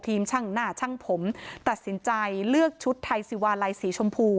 ช่างหน้าช่างผมตัดสินใจเลือกชุดไทยสิวาลัยสีชมพู